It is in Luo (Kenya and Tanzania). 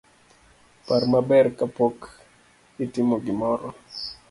Par maber kapok itimo gimoro